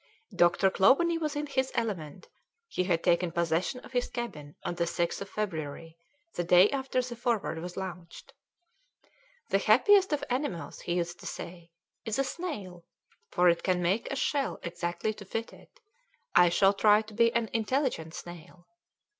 Dr. Clawbonny was in his element; he had taken possession of his cabin on the 6th of February, the day after the Forward was launched. "The happiest of animals," he used to say, "is a snail, for it can make a shell exactly to fit it; I shall try to be an intelligent snail."